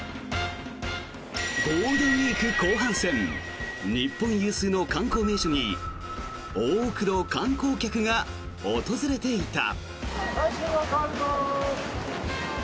ゴールデンウィーク後半戦日本有数の観光名所に多くの観光客が訪れていた。